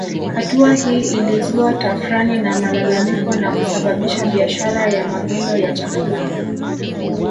Hatua hii ilizua tafrani na malalamiko na kusababisha biashara ya magendo ya chakula